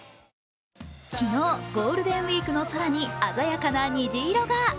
昨日、ゴールデンウイークの空に鮮やかな虹色が。